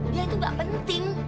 dia itu nggak penting